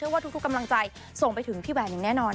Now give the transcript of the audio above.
ว่าทุกกำลังใจส่งไปถึงพี่แหวนอย่างแน่นอน